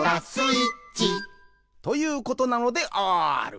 ということなのであーる。」